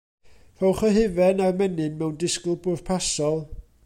Rhowch y hufen a'r menyn mewn dysgl bwrpasol.